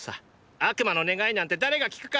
「悪魔の願いなんて誰が聞くか」